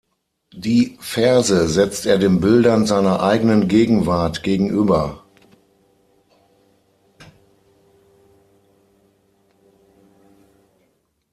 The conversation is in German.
Die Verse setzt er den Bildern seiner eigenen Gegenwart gegenüber.